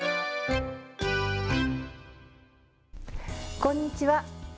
こんにちは。